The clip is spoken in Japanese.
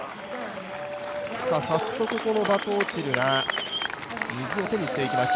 早速このバトオチルが水を手にしていきました。